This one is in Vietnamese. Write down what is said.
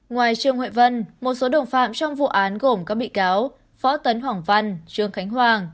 ngoài trương huệ vân một số đồng phạm trong vụ án gồm các bị cáo võ tấn hoàng văn trương khánh hoàng